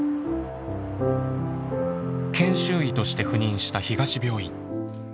研修医として赴任した東病院。